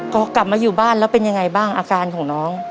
พอกลับมาอยู่บ้านแล้วเป็นยังไงบ้างอาการของน้อง